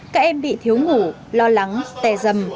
các em bị thiếu ngủ lo lắng tè rầm